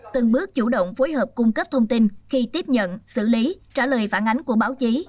từng bước chủ động phối hợp cung cấp thông tin khi tiếp nhận xử lý trả lời phản ánh của báo chí